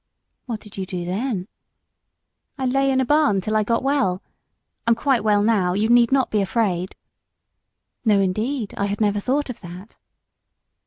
"What did you do then?" "I lay in a barn till I got well I'm quite well now; you need not be afraid." "No, indeed; I had never thought of that."